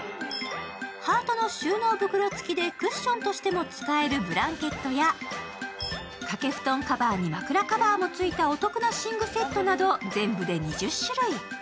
ハートの収納袋付きでクッションとしても使えるブランケットや掛け布団カバーに枕カバーもついたお得な寝具セットなど全部で２０種類。